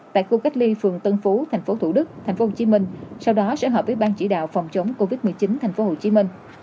tại khu cách ly phường tân phú tp thủ đức tp hcm sau đó sẽ hợp với bang chỉ đạo phòng chống covid một mươi chín tp hcm